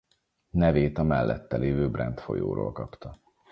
Nevét a mellette lévő Brent folyóról kapta.